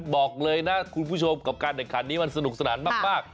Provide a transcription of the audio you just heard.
บอกเลยนะคุณผู้ชมกับการแข่งขันนี้มันสนุกสนานมาก